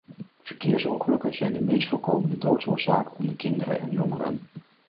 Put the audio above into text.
Verkeersongelukken zijn de meest voorkomende doodsoorzaak onder kinderen en jongeren.